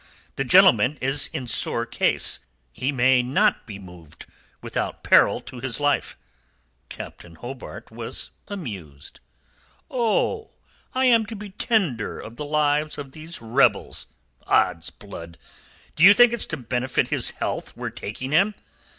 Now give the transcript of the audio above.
The gentleman is in sore case. He may not be moved without peril to his life." Captain Hobart was amused. "Oh, I am to be tender of the lives of these rebels! Odds blood! Do you think it's to benefit his health we're taking him?